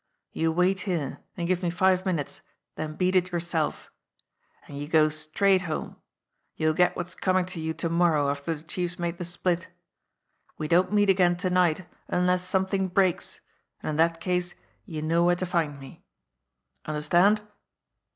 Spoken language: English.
You wait here, give me five minutes, then beat it yourself. And you go straight home ! You'll get what's coming to you to morrow after the Chief's made the split. We don't meet again to night unless something breaks, and in that case you know where to find me. Understand